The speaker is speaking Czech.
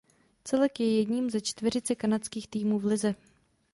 Celek je jedním ze čtveřice kanadských týmu v lize.